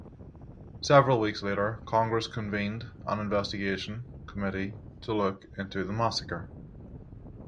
Several weeks later, Congress convened an investigation committee to look into the massacre.